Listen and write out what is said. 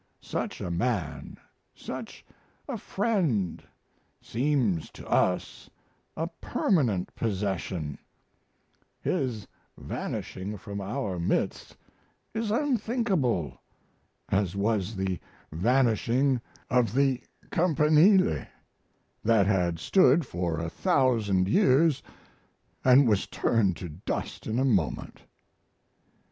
Such a man, such a friend, seems to us a permanent possession; his vanishing from our midst is unthinkable, as was the vanishing of the Campanile, that had stood for a thousand years and was turned to dust in a moment.